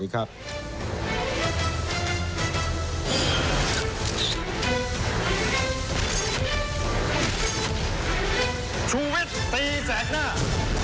สวัสดีครับ